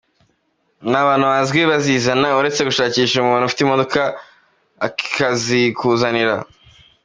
Nta bantu bazwi bazizana, uretse gushakisha umuntu ufite imodoka akazikuzanira.